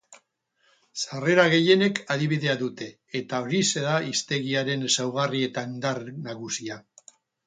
Sarrera gehienek adibidea dute, eta horixe da hiztegiaren ezaugarri eta indar nagusia.